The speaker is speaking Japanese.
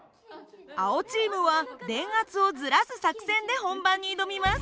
青チームは電圧をずらす作戦で本番に挑みます。